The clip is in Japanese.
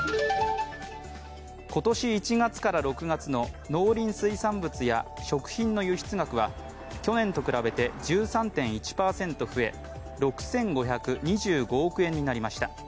今年１月から６月の農林水産物や食品の輸出額は去年と比べて１３．１％増え６５２５億円になりました。